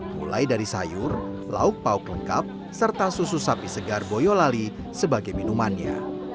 mulai dari sayur lauk pauk lengkap serta susu sapi segar boyolali sebagai minumannya